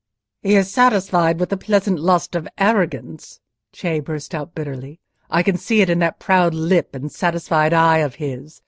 "He is satisfied with the pleasant lust of arrogance," Cei burst out, bitterly. "I can see it in that proud lip and satisfied eye of his.